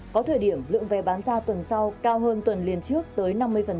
có thời điểm lượng vé bán ra tuần sau cao hơn tuần liền trước tới năm mươi